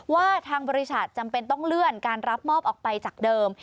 ว่าทางบริษัทจำเป็นต้องเลื่อนการรับมอบออกไปจากเดิม